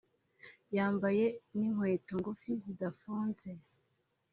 yambaye n’inkweto ngufi zidafunze